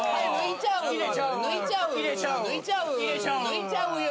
抜いちゃうよ。